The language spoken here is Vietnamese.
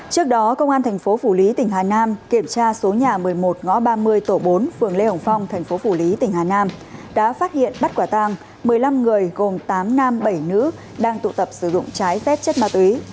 trước đó công an thành phố phủ lý tỉnh hà nam kiểm tra số nhà một mươi một ngõ ba mươi tổ bốn phường lê hồng phong thành phố phủ lý tỉnh hà nam đã phát hiện bắt quả tang một mươi năm người gồm tám nam bảy nữ đang tụ tập sử dụng trái phép chất ma túy